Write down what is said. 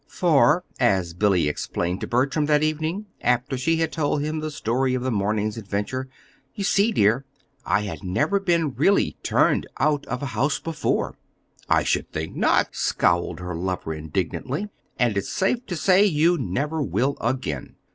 "For," as Billy explained to Bertram that evening, after she had told him the story of the morning's adventure, "you see, dear, I had never been really turned out of a house before!" "I should think not," scowled her lover, indignantly; "and it's safe to say you never will again.